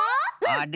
あれ？